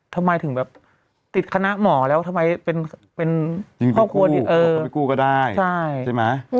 ทำไมถึงแบบติดคณะหมอแล้วทำไมเป็นเป็นความกลัวเออก็ได้ใช่ใช่ไหม